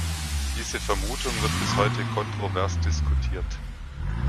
Diese Vermutung wird bis heute kontrovers diskutiert.